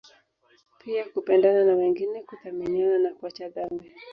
Pia kupendana na wengine kuthaminiana na kuacha dhambi